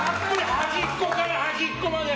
端っこから端っこまで！